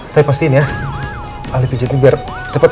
tapi pastiin ya alipijatnya biar cepet